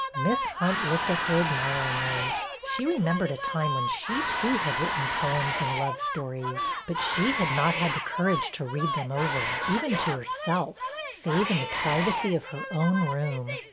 Miss Hunt looked at her admiringly. She re membered a time when she too had written poems and love stories, but she had not had the courage 24 BETTY BAIRD'S VENTURES to read them over, even to herself, save in the privacy of her own room.